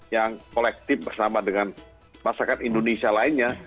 yang kolektif bersama dengan masyarakat indonesia lainnya